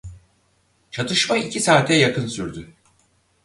Çatışma iki saate yakın sürdü.